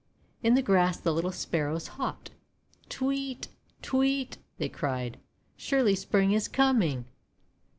In the grass the little Sparrows hopped. "Tee weet! Tee weet!': they cried. :< Surely Spring is coming.'